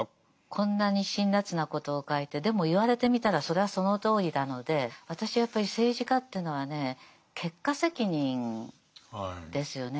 こんなに辛辣なことを書いてでも言われてみたらそれはそのとおりなので私はやっぱり政治家というのはね結果責任ですよね。